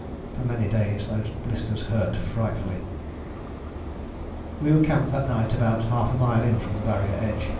For many days those blisters hurt frightfully. We were camped that night about half a mile in from the Barrier edge.